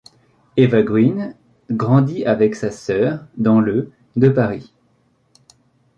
Eva Green grandit avec sa sœur dans le de Paris.